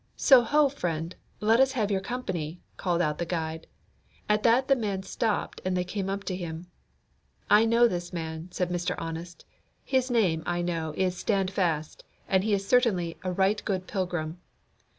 "So ho, friend, let us have your company," called out the guide. At that the man stopped, and they came up to him. "I know this man," said Mr. Honest; "his name, I know, is Standfast, and he is certainly a right good pilgrim."